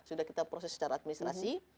sudah proses secara administrasi